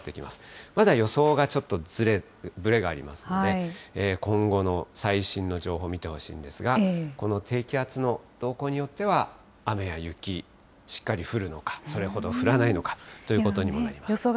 まだ予想がちょっとぶれがありますので、今後の最新の情報を見てほしいんですが、この低気圧の動向によっては、雨や雪、しっかり降るのか、それほど降らないのかということになります。